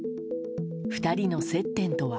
２人の接点とは。